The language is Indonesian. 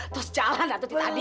terus jalan ratu titadi